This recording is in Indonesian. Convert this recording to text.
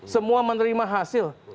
semua menerima hasil